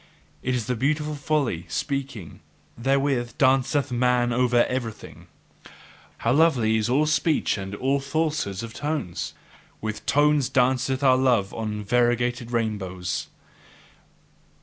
It is a beautiful folly, speaking; therewith danceth man over everything. How lovely is all speech and all falsehoods of tones! With tones danceth our love on variegated rainbows.